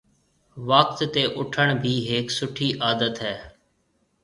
وقت تي اُوٺڻ بي هيَڪ سُٺِي عادت هيَ۔